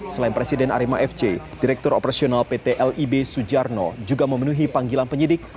selain presiden arema fc direktur operasional pt lib sujarno juga memenuhi panggilan penyidik